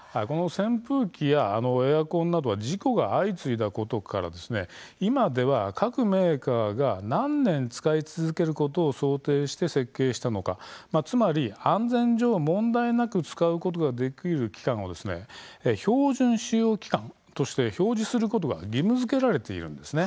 扇風機やエアコンなどは事故が相次いだことから今では各メーカーが何年使い続けることを想定して設計したのかつまり、安全上問題なく使うことができる期間を標準使用期間として表示することが義務づけられているんです。